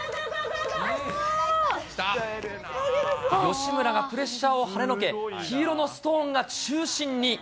吉村がプレッシャーをはねのけ、黄色のストーンが中心に。